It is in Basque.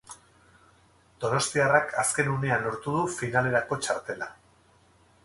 Donostiarrak azken unean lortu du finalerako txartela.